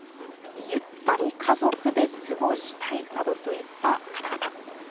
ゆったり家族で過ごしたいなどといった方々。